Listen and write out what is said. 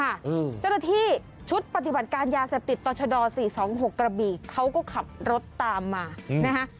เจ้าหน้าที่ชุดปฏิบัติการยาเสพติดต่อชะดอ๔๒๖กระบีเขาก็ขับรถตามมานะฮะ